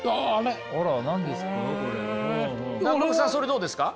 それどうですか？